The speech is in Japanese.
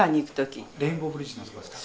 レインボーブリッジのあそこですか？